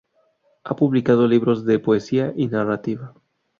Ha publicado libros de poesía y narrativa.